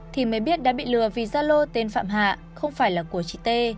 thì mới biết đã bị lừa vì gia lô tên phạm hạ không phải là của chị tê